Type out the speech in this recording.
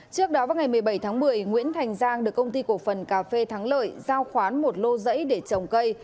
trước đó vào ngày một mươi bảy tháng một mươi nguyễn thành giang được công ty cổ phần cà phê thắng lợi giao khoán một lô giấy để trồng cây